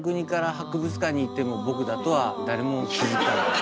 博物館に行っても僕だとは誰も気付かない。